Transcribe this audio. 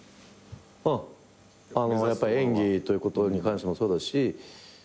うん演技ということに関してもそうだし。